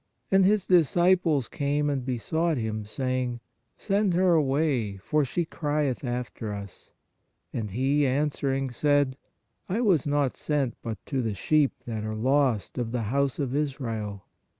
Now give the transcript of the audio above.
And His disciples came and besought Him, saying: Send her away, for she crieth after us. And He, answering, said: I was not sent but to the sheep that are lost of the house of Israel.